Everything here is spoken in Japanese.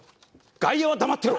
「外野は黙ってろ！」。